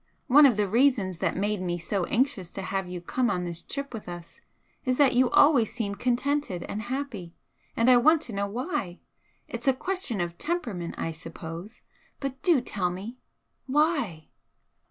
One of the reasons that made me so anxious to have you come on this trip with us is that you always seem contented and happy, and I want to know why? It's a question of temperament, I suppose but do tell me why!"